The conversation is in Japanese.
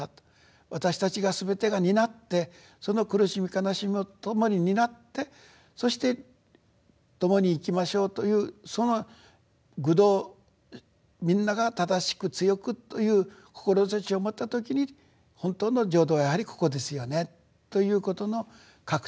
私たちがすべてが担ってその苦しみ悲しみも共に担ってそして共に生きましょうというその求道みんなが正しく強くという志を持った時に本当の浄土はやはりここですよねということの確信が得られるという。